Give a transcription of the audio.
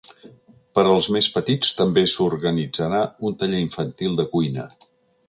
Per als més petits també s’organitzarà un taller infantil de cuina.